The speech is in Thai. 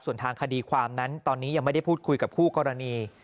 ส่วนทางคดีความนั้นตอนนี้ยังไม่ได้พูดคุยกับคู่กรณี